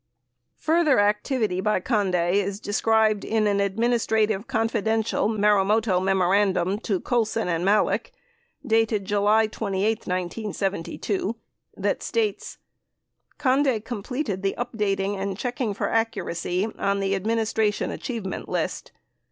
18 Further activity by Conde is described in an "Administrative — Con fidential" Marumoto memorandum to Colson and Malek dated July 28, 1972, that states : Conde completed the updating and checking for accuracy on the Administration Achievement list.